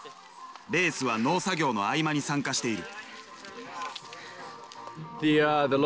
レースは農作業の合間に参加している。